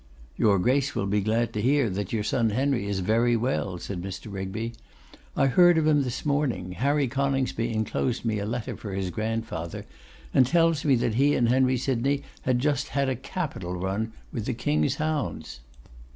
'Your Grace will be glad to hear that your son Henry is very well,' said Mr. Rigby; 'I heard of him this morning. Harry Coningsby enclosed me a letter for his grandfather, and tells me that he and Henry Sydney had just had a capital run with the King's hounds.